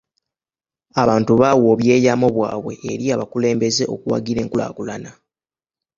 Abantu baawa obyeyamo bwabwe eri abakulembeze okuwagira enkulaakulana.